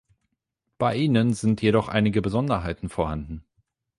Bei ihnen sind jedoch einige Besonderheiten vorhanden.